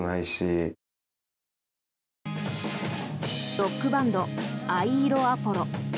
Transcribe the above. ロックバンド、藍色アポロ。